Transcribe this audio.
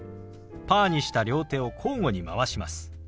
パーにした両手を交互に回します。